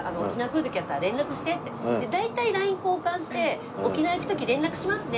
大体ＬＩＮＥ交換して「沖縄行く時連絡しますね」